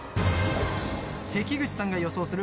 関口さんが予想する